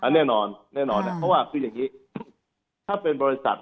แน่นอนแน่นอนเพราะว่าคืออย่างนี้